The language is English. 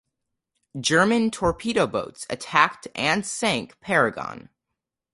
German torpedo boats attacked and sank "Paragon".